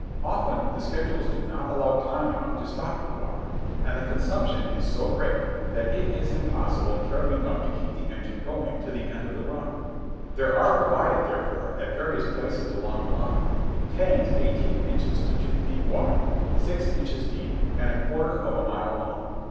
Often the schedules do not allow time enough to stop for water, and the consumption is so great that it is impossible to carry enough to keep the engine going to the end of the run. There are provided, therefore, at various places along the line, tanks eighteen inches to two feet wide, six inches deep, and a quarter of a mile long.